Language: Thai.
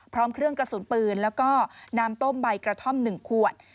พร้อมเครื่องกระสุนปืนแล้วก็น้ำต้มใบกระท่อม๑ขวด